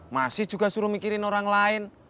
masih juga suruh mikirin orang lain